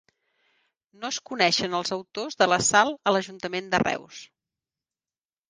No es coneixen els autors de l'assalt a l'Ajuntament de Reus